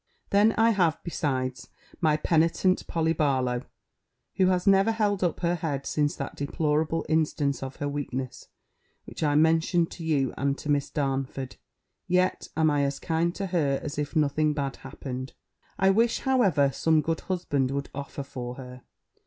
Then I have, besides, my penitent Polly Barlow, who has never held up her head since that deplorable instance of her weakness, which I mentioned to you and to Miss Darnford, yet am I as kind to her as if nothing bad happened. I wish, however, some good husband would offer for her.